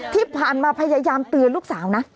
ที่ผ่านมาพยายามเตือนลูกสาวนะ